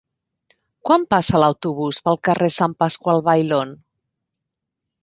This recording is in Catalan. Quan passa l'autobús pel carrer Sant Pasqual Bailón?